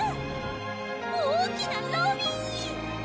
大きなロビー！